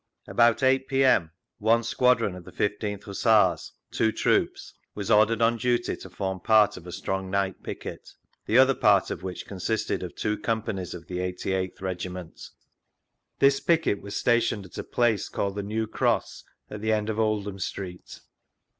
About 8 p.m. one squadron of the 1 5th Hussars (two troops) was ordered on duty to form part of a strong night picket, the other part of which con sisted of two companies of the 88th Regiment. This picket was stationed at a j^ace called the New Cross, at the end of Oldham Street.